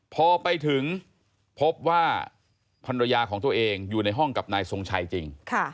พอไปถึงพบว่าภรรยาของตัวเองอยู่ในห้องกับนายทรงชัยจริง